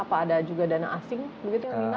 apa ada juga dana asing begitu yang minta